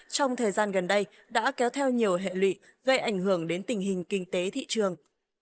trong thời gian gần đây đã kéo theo nhiều hệ lụy gây ảnh hưởng đến tình hình kinh tế thị trường